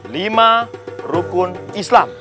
lima rukun islam